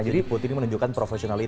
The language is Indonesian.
jadi putih ini menunjukkan profesionalitas